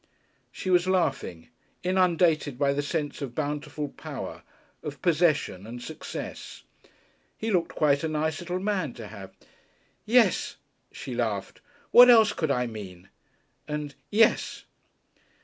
She was laughing, inundated by the sense of bountiful power, of possession and success. He looked quite a nice little man to have. "Yes," she laughed. "What else could I mean?" and, "Yes."